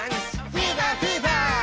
フィーバーフィーバー。